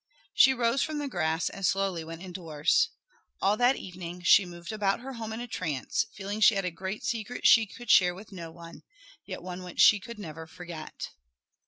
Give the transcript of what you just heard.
She rose from the grass and slowly went indoors. All that evening she moved about her home in a trance, feeling she had a great secret she could share with no one, yet one which she could never forget.